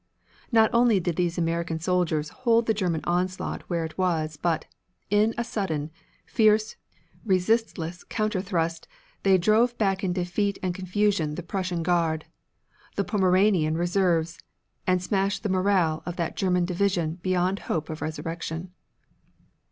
Not only did these American soldiers hold the German onslaught where it was but, in a sudden, fierce, resistless counter thrust they drove back in defeat and confusion the Prussian Guard, the Pommeranian Reserves, and smashed the morale of that German division beyond hope of resurrection.